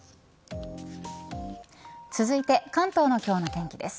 続いて関東の今日の天気です。